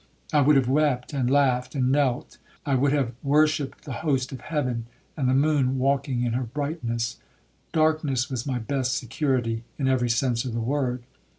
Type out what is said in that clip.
I would have wept, and laughed, and knelt, and turned idolater. I would have 'worshipped the host of heaven, and the moon walking in her brightness.' Darkness was my best security, in every sense of the word.